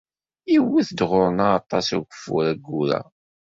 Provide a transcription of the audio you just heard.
Iwet ɣur-neɣ aṭas n ugeffur ayyur-a.